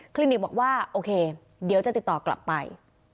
ลินิกบอกว่าโอเคเดี๋ยวจะติดต่อกลับไป